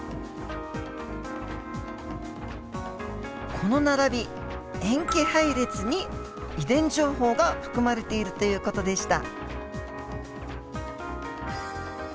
この並び塩基配列に遺伝情報が含まれているという事でした。